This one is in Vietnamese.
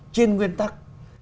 trên nguyên tắc